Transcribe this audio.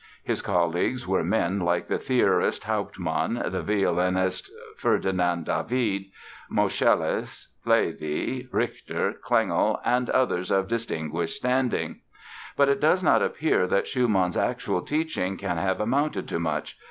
His colleagues were men like the theorist Hauptmann, the violinist, Ferdinand David, Moscheles, Plaidy, Richter, Klengel and others of distinguished standing. But it does not appear that Schumann's actual teaching can have amounted to much.